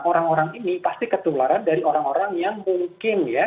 orang orang ini pasti ketularan dari orang orang yang mungkin ya